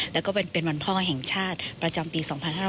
แล้วก็เป็นวันพ่อแห่งชาติประจำปี๒๕๕๙